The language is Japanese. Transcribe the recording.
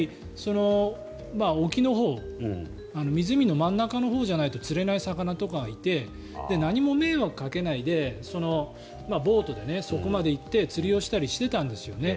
沖のほう湖の真ん中のほうじゃないと釣れない魚とかいて何も迷惑かけないでボートでそこまで行って釣りをしていたんですよね。